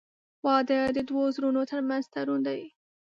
• واده د دوه زړونو تر منځ تړون دی.